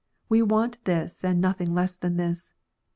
We want this, and nothing less than this.